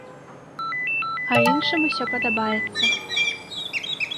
А іншым усё падабаецца.